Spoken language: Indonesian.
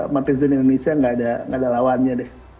netizen indonesia gak ada lawannya